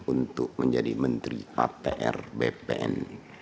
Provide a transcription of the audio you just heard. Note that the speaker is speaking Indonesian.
untuk menjadi menteri atr bpn